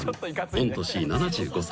御年７５歳］